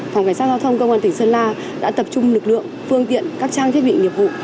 phòng cảnh sát giao thông công an tỉnh sơn la đã tập trung lực lượng phương tiện các trang thiết bị nghiệp vụ